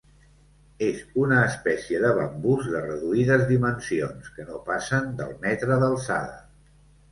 És una espècie de bambús de reduïdes dimensions, que no passen del metre d'alçada.